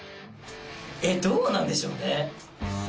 えっどうなんでしょうね？